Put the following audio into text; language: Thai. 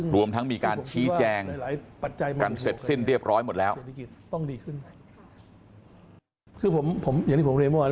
รวมทั้งมีการชี้แจงกันเสร็จสิ้นเรียบร้อยหมดแล้ว